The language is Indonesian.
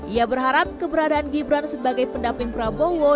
ia berharap keberadaan gibran sebagai pendamping prabowo